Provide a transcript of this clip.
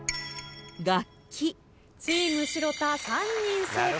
チーム城田３人正解。